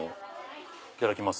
いただきます。